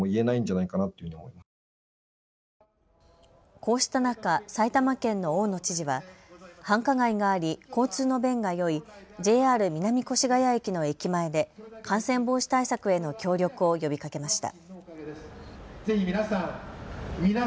こうした中、埼玉県の大野知事は、繁華街があり交通の便がよいＪＲ南越谷駅の駅前で感染防止対策への協力を呼びかけました。